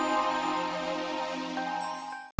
kamu kenapa sih